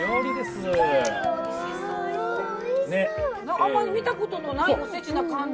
あんまり見たことのないおせちな感じ。